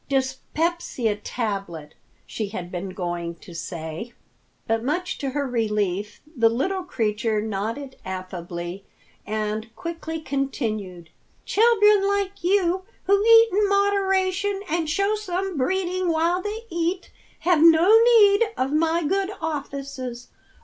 "Dyspepsia tablet" she had been going to say. But much to her relief, the little creature nodded affably and quickly continued, "Children like you, who eat in moderation and show some breeding while they eat, have no need of my good offices.